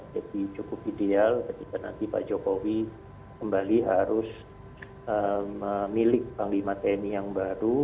jadi cukup ideal jadi nanti pak jokowi kembali harus memiliki panglima tni yang baru